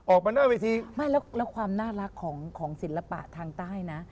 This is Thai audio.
ออกไปหน้าวิธีแล้วความน่ารักของศิลปะทางใต้